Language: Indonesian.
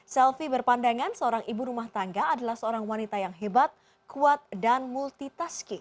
selvi berpandangan seorang ibu rumah tangga adalah seorang wanita yang hebat kuat dan multitaski